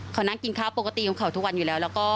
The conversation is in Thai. เขานั่งกินข้าวปกติของเขาทุกวันอยู่แล้ว